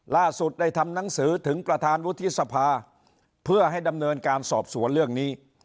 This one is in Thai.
ล่าสุดได้ทำหนังสือถึงประธานวุฒิสภาเพื่อให้ดำเนินการสอบสวนเรื่องนี้